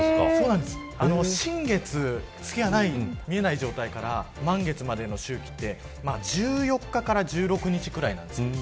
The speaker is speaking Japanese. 新月、月が見えない状態から満月までの周期は１４日から１６日ぐらいなんです。